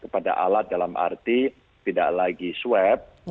pada alat dalam arti tidak lagi swab